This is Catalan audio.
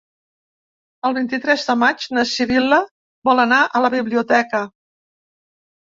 El vint-i-tres de maig na Sibil·la vol anar a la biblioteca.